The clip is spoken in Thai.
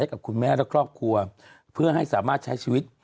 กับคุณแม่และครอบครัวเพื่อให้สามารถใช้ชีวิต